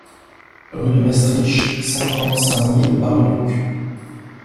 Rue de Maestricht, cinquante-cinq mille Bar-le-Duc